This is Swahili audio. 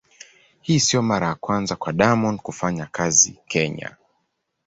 Hii sio mara ya kwanza kwa Diamond kufanya kazi Kenya.